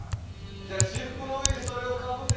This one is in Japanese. じゃあ私服の上にそれをかぶせて。